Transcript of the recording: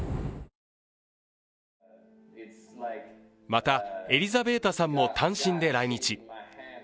また、エリザベータさんも単身で来日。